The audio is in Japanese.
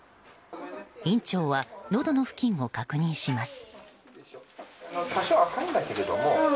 院長は、のどの付近を確認します。